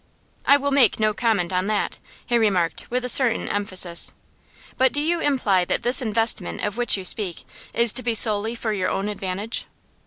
'I will make no comment on that,' he remarked, with a certain emphasis. 'But do you imply that this investment of which you speak is to be solely for your own advantage?